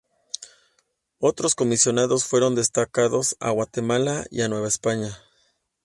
Otros comisionados fueron destacados a Guatemala y a Nueva España.